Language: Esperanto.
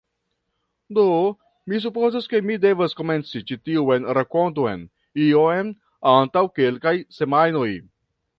Do, mi supozas ke mi devas komenci ĉi tiun rakonton iom antaŭ kelkaj semajnoj